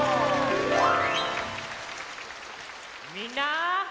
みんな！